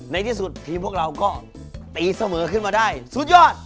ในที่สุดทีมพวกเราก็ตีเสมอขึ้นมาได้สุดยอด